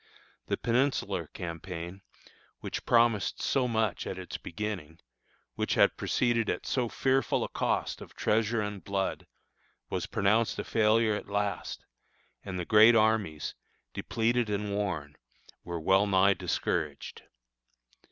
The Peninsular campaign, which promised so much at its beginning, which had proceeded at so fearful a cost of treasure and blood, was pronounced a failure at last, and the great armies, depleted and worn, were well nigh discouraged.